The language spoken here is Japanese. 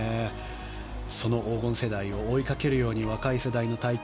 その黄金世代を追いかけるように若い世代の台頭